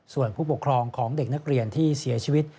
ส่วนผู้ปกครองของเด็กนักเรียนที่เสียชีวิต